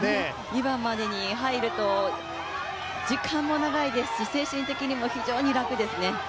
２番までに入ると時間も長いですし精神的にも非常に楽ですね。